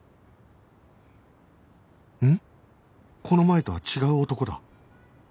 この前とは違う男だ